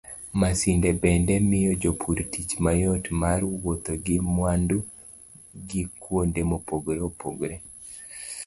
Masinde bende miyo jopur tich mayot mar wuotho gi mwandu gi kuonde mopogore opogore.